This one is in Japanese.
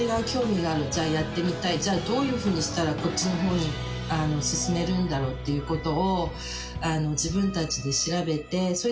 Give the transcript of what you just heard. じゃあどういうふうにしたらこっちの方に進めるんだろうっていう事を。